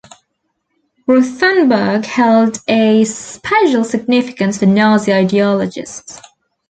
Rothenburg held a special significance for Nazi ideologists.